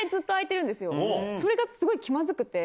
それがすごい気まずくて。